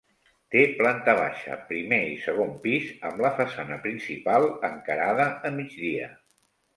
Té planta baixa, primer i segon pis amb la façana principal encarada a migdia.